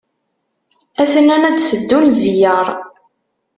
A-ten-an ad d-teddun zziyaṛ.